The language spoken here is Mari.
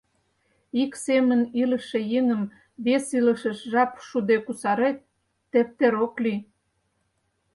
Ик семын илыше еҥым вес илышыш жап шуде кусарет — тептер ок лий.